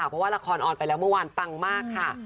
เพราะว่าละครออนไปแล้วเมื่อวานปังมากค่ะ